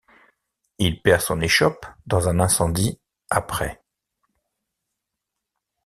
Il perd son échoppe dans un incendie après.